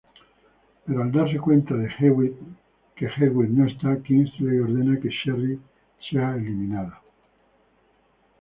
Pero al darse cuenta que Hewitt no está, Kingsley ordena que Sherry sea eliminada.